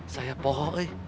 saya pohok eh